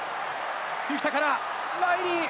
フィフィタからライリー。